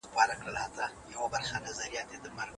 هغه کسان چې قانون ماتوي باید مجازات سي.